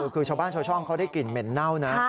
คือชาวบ้านชาวช่องเขาได้กลิ่นเหม็นเน่านะ